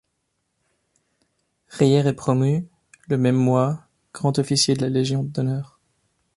Rayer est promu, le même mois, grand officier de la Légion d'honneur.